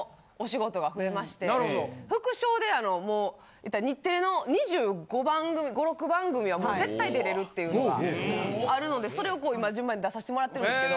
副賞でもう日テレの２５２６番組は絶対出れるっていうのがあるのでそれを今順番に出させてもらってるんですけど。